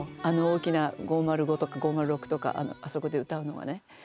あの大きな５０５とか５０６とかあそこで歌うのはね。